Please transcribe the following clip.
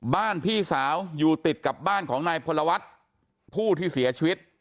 พี่สาวอยู่ติดกับบ้านของนายพลวัฒน์ผู้ที่เสียชีวิต